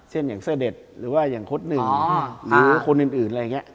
เช่นอย่างเส้อเด็ดหรือว่าอย่างโค้ด๑หรือคนอื่นอะไรแบบนี้